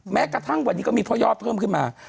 แม้กระทั่งวันนี้ก็มีพ่อยอดเพิ่มขึ้นมา